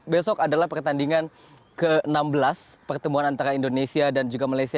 besok adalah pertandingan ke enam belas pertemuan antara indonesia dan juga malaysia